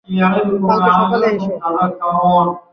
দস্যুর উপদ্রবে দেশের লোক ত্রস্ত হইয়া উঠিল।